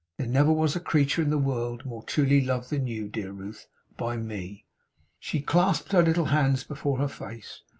There never was a creature in the world more truly loved than you, dear Ruth, by me!' She clasped her little hands before her face.